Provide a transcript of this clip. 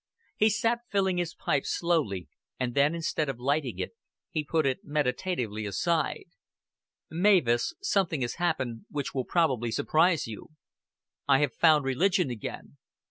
He sat filling his pipe slowly, and then instead of lighting it he put it meditatively aside. "Mavis, something has happened which will probably surprise you. I have found religion again."